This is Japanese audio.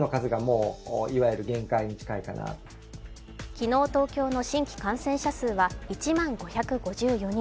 昨日、東京の新規感染者数は１万５５４人。